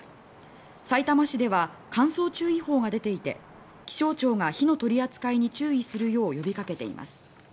さいたま市では乾燥注意報が出ていて気象庁が火の取り扱いに注意するよう呼びかけています。